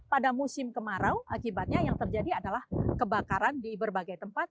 pada musim kemarau akibatnya yang terjadi adalah kebakaran di berbagai tempat